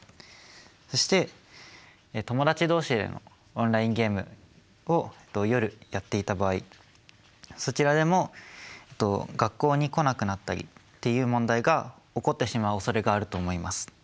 そして友達同士でのオンラインゲームを夜やっていた場合そちらでも学校に来なくなったりっていう問題が起こってしまうおそれがあると思います。